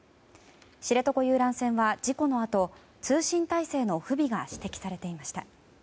知床遊覧船は事故のあと通信体制の不備が指摘されていました。